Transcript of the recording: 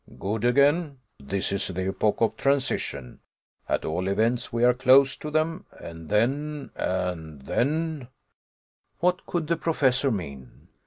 Good again; this is the epoch of transition, at all events, we are close to them and then, and then " What could the Professor mean?